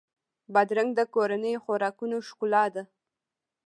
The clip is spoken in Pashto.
بادرنګ د کورنیو خوراکونو ښکلا ده.